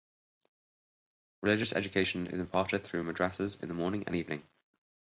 Religious education is imparted through madrassas in the morning and evening.